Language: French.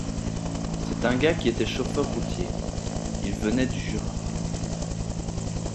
C’est un gars qui était chauffeur routier. Il venait du Jura.